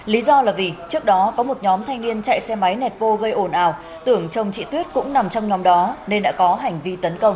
lý do là vì trước đó có một nhóm thanh niên chạy xe máy nẹt bô gây ồn ào tưởng chồng chị tuyết cũng nằm trong nhóm đó nên đã có hành vi tấn công